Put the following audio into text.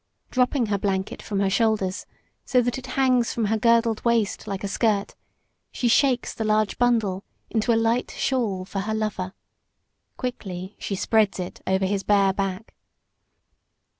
Dropping her blanket from her shoulders, so that it hangs from her girdled waist like a skirt, she shakes the large bundle into a light shawl for her lover. Quickly she spreads it over his bare back.